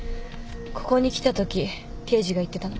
ここに来たとき刑事が言ってたの。